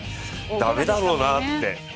駄目だろうなって。